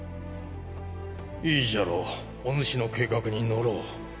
いいじゃろうお主の計画に乗ろう。